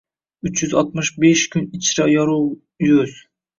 Uch yuz oltmish besh kun ichra yorug’ ro’z.